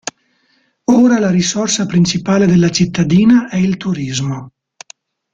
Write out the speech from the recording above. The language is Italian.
Ora la risorsa principale della cittadina è il turismo.